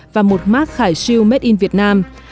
và một mát khải siêu made in việt nam